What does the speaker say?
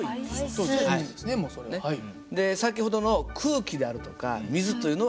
先ほどの空気であるとか水というのは媒質なんです。